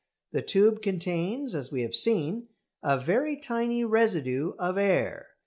The tube contains, as we have seen, a very tiny residue of air.